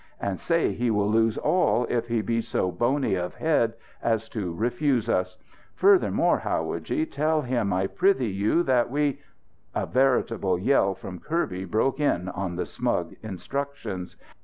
And say he will lose all if he be so bony of head as to refuse us. Furthermore, howadji, tell him, I prythee you, that we " A veritable yell from Kirby broke in on the smug instructions.